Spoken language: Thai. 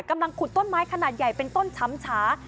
กำลังขุดต้นไม้ขนาดใหญ่เป็นต้นช้ำชา